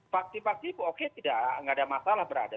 fakti fakti itu oke tidak ada masalah berada